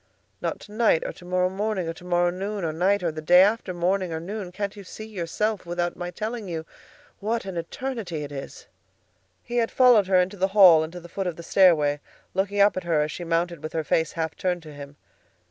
—not to night or to morrow morning or to morrow noon or night? or the day after morning or noon? Can't you see yourself, without my telling you, what an eternity it is?" He had followed her into the hall and to the foot of the stairway, looking up at her as she mounted with her face half turned to him.